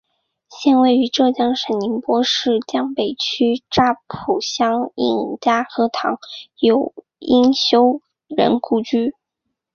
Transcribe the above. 现位于浙江省宁波市江北区乍浦乡应家河塘有应修人故居。